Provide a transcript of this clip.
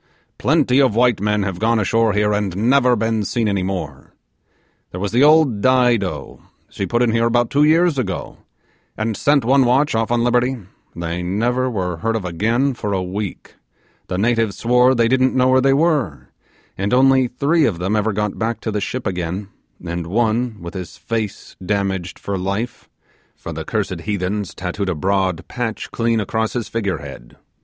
Plenty of white men have gone ashore here and never been seen any more. There was the old Dido, she put in here about two years ago, and sent one watch off on liberty; they never were heard of again for a week the natives swore they didn't know where they were and only three of them ever got back to the ship again, and one with his face damaged for life, for the cursed heathens tattooed a broad patch clean across his figure head.